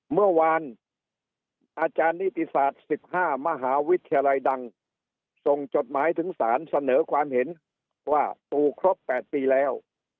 เมื่อวานอาจารย์นิติศาสตร์๑๕มหาวิทยาลัยดังส่งจดหมายถึงศาลเสนอความเห็นว่าปู่ครบ๘ปีแล้ว